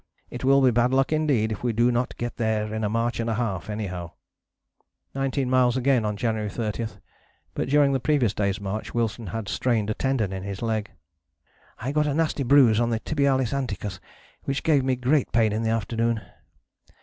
It will be bad luck indeed if we do not get there in a march and a half anyhow." Nineteen miles again on January 30, but during the previous day's march Wilson had strained a tendon in his leg. "I got a nasty bruise on the Tib[ialis] ant[icus] which gave me great pain all the afternoon."